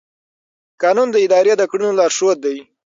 قانون د ادارې د کړنو لارښود دی.